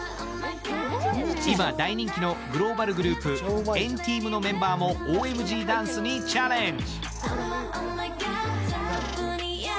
今、大人気のグローバルグループ、＆ＴＥＡＭのメンバーもＯＭＧダンスにチャレンジ。